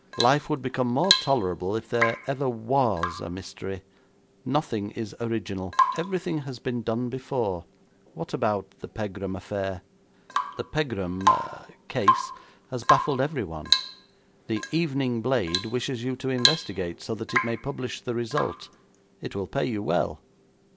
Life would become more tolerable if there ever was a mystery. Nothing is original. Everything has been done before. What about the Pegram affair?' 'The Pegram ah case has baffled everyone. The Evening Blade wishes you to investigate, so that it may publish the result. It will pay you well.